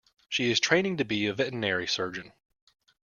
She is training to be a veterinary surgeon